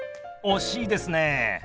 惜しいですね。